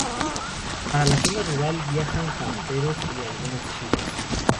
Para la zona rural viajan camperos y algunas chivas.